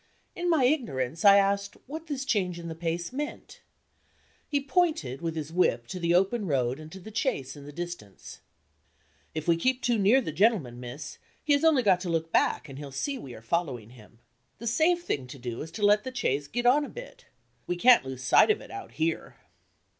In my ignorance, I asked what this change in the pace meant. He pointed with his whip to the open road and to the chaise in the distance. "If we keep too near the gentleman, miss, he has only got to look back, and he'll see we are following him. The safe thing to do is to let the chaise get on a bit. We can't lose sight of it, out here."